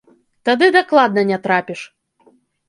Тады дакладна не трапіш.